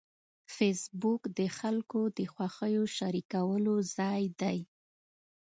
فېسبوک د خلکو د خوښیو شریکولو ځای دی